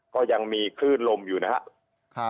ก็ยังมีคลื่นลมอยู่นะครับ